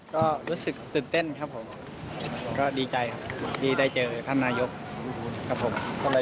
ก็รู้สึกตื่นเต้นครับผมก็ดีใจครับที่ได้เจอท่านนายกครับผม